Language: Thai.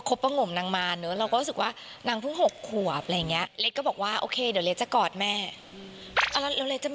คนมันแฮดแหละเนอะ